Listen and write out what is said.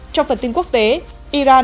trong phần tin quốc tế iran